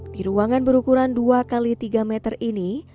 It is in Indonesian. di ruangan berukuran dua x tiga meter ini